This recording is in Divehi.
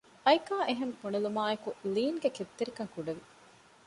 އައިކާ އެހެން ބުނެލުމާއެކު ލީންގެ ކެތްތެރިކަން ކުޑަވި